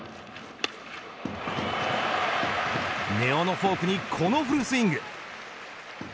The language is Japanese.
根尾のフォークにこのフルスイング。